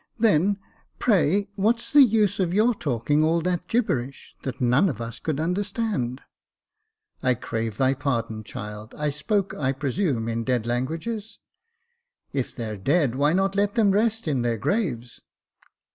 Then pray what's the use of your talking all that gibberish, that none of us could understand ?"" I crave thy pardon, child ; I spoke, I presume, in the dead languages." " If they're dead, why not let them rest in their graves